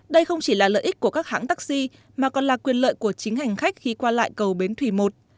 đây không chỉ là lợi ích của các hãng taxi mà còn là quyền lợi của chính hành khách khi qua lại cầu bến thủy i